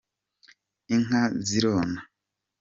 inka zirona.